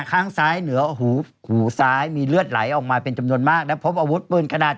ข้างซ้ายเหนือหูหูซ้ายมีเลือดไหลออกมาเป็นจำนวนมากและพบอาวุธปืนขนาด